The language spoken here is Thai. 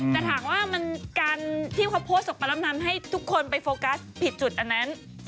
แต่ถามว่ามันการที่เขาโพสต์ออกไปแล้วทำให้ทุกคนไปโฟกัสผิดจุดอันนั้น